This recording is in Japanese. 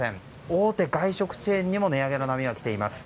大手外食チェーンにも値上げの波が来ています。